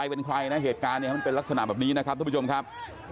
เป็นใครนะเหตุการณ์เนี่ยมันเป็นลักษณะแบบนี้นะครับทุกผู้ชมครับ